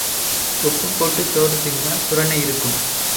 உப்புப் போட்டுச் சோறு தின்றால் சுரணை இருக்கும்.